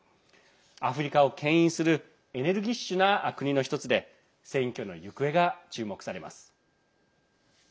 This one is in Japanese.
アフリカをけん引するエネルギッシュな国の１つで選挙の行方が注目されます。